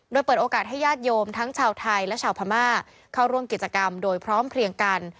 โดยเปิดโอกาสให้ญาติโยมทั้งชาวไทยและชาวพม่าเข้าร่วมกิจกรรมโดยพร้อมเพลียงกัน